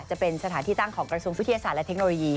จะเป็นสถานที่ตั้งของกระทรวงวิทยาศาสตร์และเทคโนโลยี